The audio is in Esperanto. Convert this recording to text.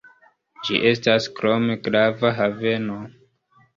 Ĝi estas krome grava haveno.